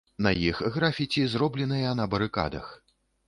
На іх графіці, зробленыя на барыкадах.